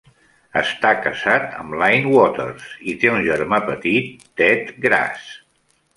Està acasat amb Lynne Waters i té un germà petit, Ted Grass.